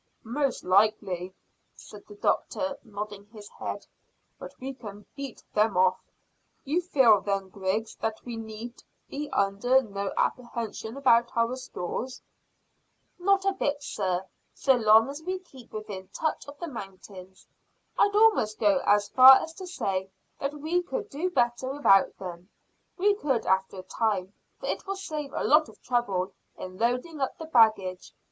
"Most likely," said the doctor, nodding his head; "but we can beat them off. You feel, then, Griggs, that we need be under no apprehension about our stores?" "Not a bit, sir, so long as we keep within touch of the mountains. I'd almost go as far as to say that we could do better without them. We could after a time, for it will save a lot of trouble in loading up the baggage.